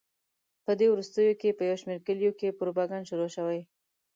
په دې وروستیو کې په یو شمېر کلیو کې پروپاګند شروع شوی.